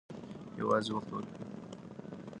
یوازې وخت ورکړئ.